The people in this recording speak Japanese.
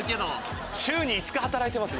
週に５日働いてます